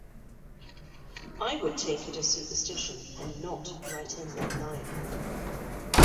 I would take it as superstition and not write in that line.